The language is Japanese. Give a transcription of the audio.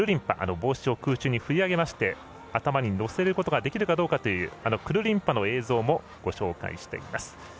帽子を空中に振り上げまして頭にのせることができるかというくるりんぱの映像もご紹介しています。